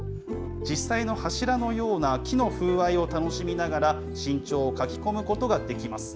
実際の柱のような木の風合いを楽しみながら身長を書き込むことができます。